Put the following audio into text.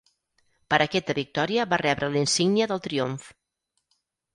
Per aquesta victòria va rebre la insígnia del triomf.